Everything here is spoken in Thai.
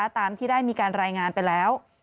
ตามที่ได้มีการรายงานไปแล้ว